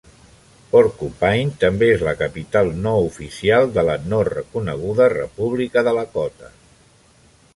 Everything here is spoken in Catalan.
Porcupine també és la capital no oficial de la no reconeguda República de Lakota.